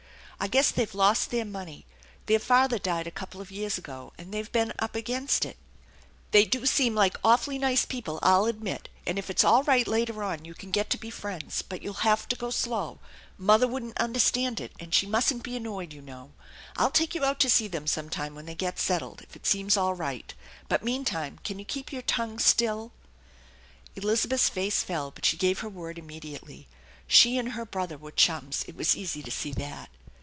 I guess they've lost their money. Their father died a couple of years ago, and they've been up against it. THE ENCHANTED BARN 85 They do seem like awfully nice people, I'll admit; and, if it's all right later on, you can get to be friends, but you'll have to go slow. Mother wouldn't understand it, and she mustn't be annoyed, you know. I'll take you out to see them sometime when they get settled if it seems all right, but meantime can you keep your tongue still ?" Elizabeth's face fell, but she gave her word immediately. She and her brother were chums ; it was easy to see that.